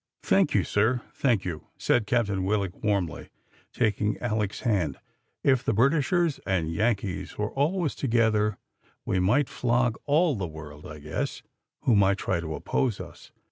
"Thank you, sir, thank you," said Captain Willock warmly, taking Alick's hand. "If the Britishers and Yankees were always together, we might flog all the world, I guess, who might try to oppose us."